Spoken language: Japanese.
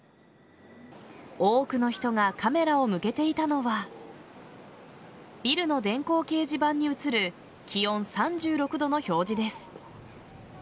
多くの人がカメラを向けていたのはビルの電光掲示板に映る気温３６度の表示です。